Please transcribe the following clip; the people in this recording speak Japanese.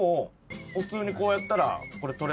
普通にこうやったらこれ取れるから。